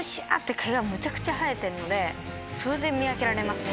毛がむちゃくちゃ生えてるのでそれで見分けられます。